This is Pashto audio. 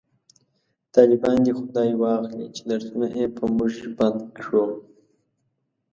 طالبان دی خداي واخلﺉ چې درسونه یې په موژ بند کړو